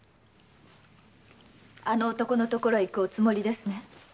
あの男のところへ行くおつもりですね。